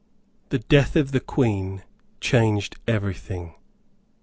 The death of the Queen changed every thing.